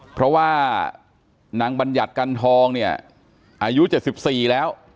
เพราะว่านางบัญญัติกันทองเนี่ยอายุ๗๔แล้ว